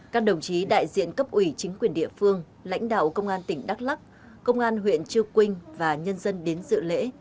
các đồng chí đại diện cấp ủy chính quyền địa phương lãnh đạo công an tỉnh đắk lắc công an huyện chư quynh và nhân dân đến dự lễ